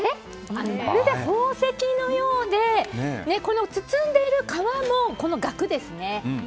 まるで宝石のようで包んでいる皮も額ですね。